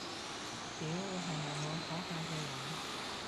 屌，係咪我嗰屆嘅人